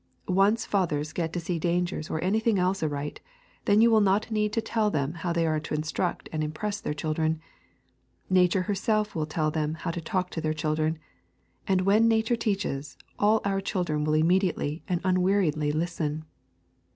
Once get fathers to see dangers or anything else aright, and then you will not need to tell them how they are to instruct and impress their children. Nature herself will then tell them how to talk to their children, and when Nature teaches, all our children will immediately and unweariedly listen.